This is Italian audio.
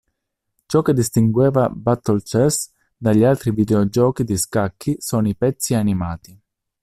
Ciò che distingueva "Battle Chess" dagli altri videogiochi di scacchi sono i pezzi animati.